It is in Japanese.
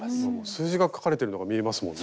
数字が書かれてるのが見えますもんね。